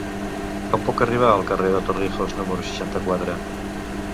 Com puc arribar al carrer de Torrijos número seixanta-quatre?